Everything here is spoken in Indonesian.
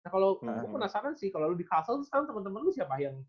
kalau gue penasaran sih kalau lo di castle sekarang temen temen lo siapa yang